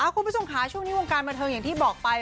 คุณผู้ชมค่ะช่วงนี้วงการบันเทิงอย่างที่บอกไป